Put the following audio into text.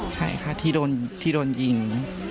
ใช่ค่ะที่โดนยิง